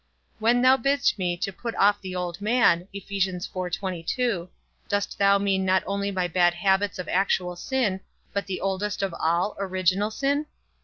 When thou bidst me to put off the old man, dost thou mean not only my old habits of actual sin, but the oldest of all, original sin?